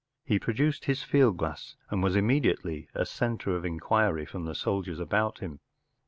He produced his field glass, and was immediately a centre of inquiry from the soldiers about him.